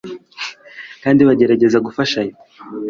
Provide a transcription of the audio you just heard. kandi bagerageza gufashanya